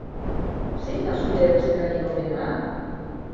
Zein da zure errezetarik onena?